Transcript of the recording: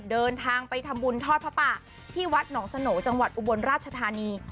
เดินทางไปทำบุญทอดพระป่าที่วัดหนองสโหน่จังหวัดอุบลราชธานี